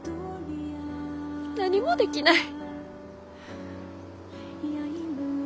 何もできない。